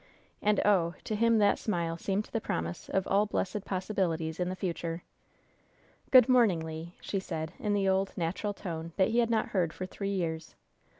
And, oh! to him that smile seemed the promise of all blessed possibilities in the future. "Good morning, Le!" she said, in the old, natural tone that he had not heard for three years.